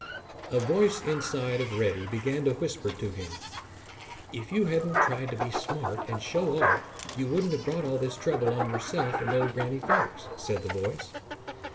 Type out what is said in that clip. A voice inside of Reddy began to whisper to him. "If you hadn't tried to be smart and show off you wouldn't have brought all this trouble on yourself and Old Granny Fox," said the voice.